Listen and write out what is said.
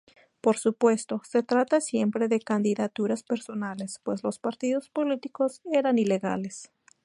Por supuesto, se trataba siempre de candidaturas personales, pues los partidos políticos eran ilegales.